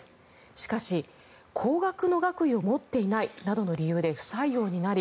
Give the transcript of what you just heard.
しかし、工学の学位を持っていないなどの理由で不採用になり